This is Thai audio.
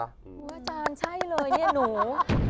อาจารย์ใช่เลยเนี่ยหนู